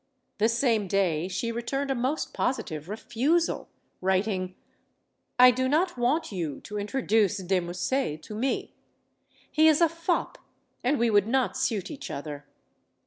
The same day she returned a most positive refusal, writing: I do not want you to introduce De Musset to me. He is a fop, and we would not suit each other.